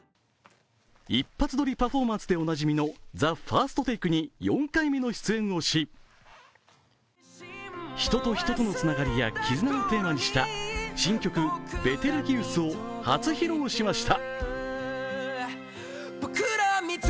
一発撮りパフォーマンスでおなじみの「ＴＨＥＦＩＲＳＴＴＡＫＥ」に４回目の出演をし人と人とのつながりや絆をテーマにした新曲「ベテルギウス」を初披露しました。